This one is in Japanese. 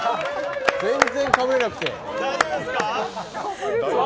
全然かぶれなくて。